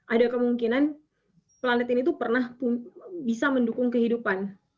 ada kemungkinan planet ini itu pernah bisa mendukung kehidupan